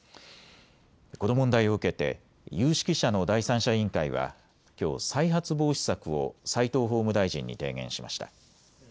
この問題を受けて有識者の第三者委員会はきょう再発防止策を齋藤法務大臣に提言しました。